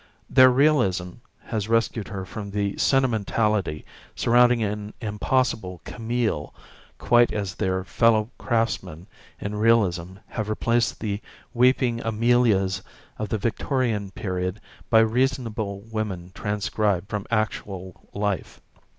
Their realism has rescued her from the sentimentality surrounding an impossible Camille quite as their fellow craftsmen in realism have replaced the weeping Amelias of the Victorian period by reasonable women transcribed from actual life.